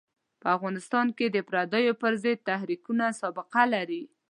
په افغانستان کې د پردیو پر ضد تحریکونه سابقه لري.